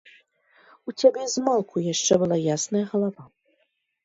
У цябе змалку яшчэ была ясная галава.